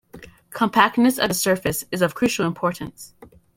Compactness of the surface is of crucial importance.